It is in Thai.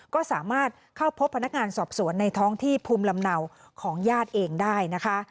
ก็สามารถเข้าพบพนักงานสอบสวนในท้องที่ภูมิลำเนาของญาติเองได้นะคะ